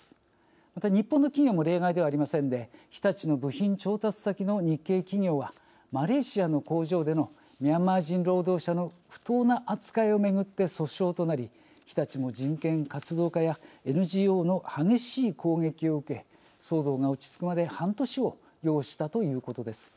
また日本の企業も例外ではありませんで日立の部品調達先の日系企業はマレーシアの工場でのミャンマー人労働者の不当な扱いをめぐって訴訟となり日立も人権活動家やＮＧＯの激しい攻撃を受け騒動が落ち着くまで半年を要したということです。